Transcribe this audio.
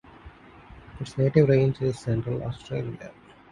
Its native range is central Australia.